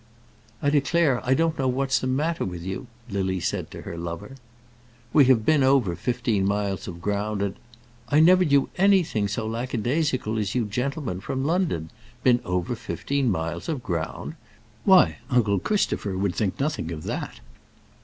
"I declare I don't know what's the matter with you," Lily said to her lover. "We have been over fifteen miles of ground, and " "I never knew anything so lackadaisical as you gentlemen from London. Been over fifteen miles of ground! Why, uncle Christopher would think nothing of that."